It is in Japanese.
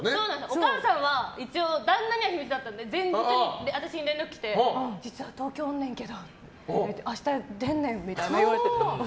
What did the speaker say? お母さんは一応、旦那には秘密だったので前日に私に連絡来て実は、東京におんねんけど明日、出んねんって。